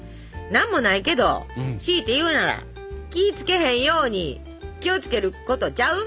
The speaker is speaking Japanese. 「なんもないけどしいて言うなら気いつけへんように気をつけることちゃう？」。